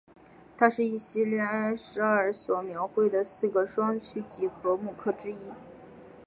它是一系列埃舍尔所描绘的四个双曲几何木刻之一。